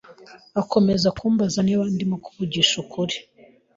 Akomeza kumbaza niba ndimo kuvugisha ukuri